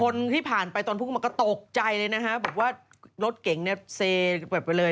คนที่ผ่านไปตอนพุ่งเข้ามาก็ตกใจเลยนะฮะบอกว่ารถเก่งเนี่ยเซแบบไปเลย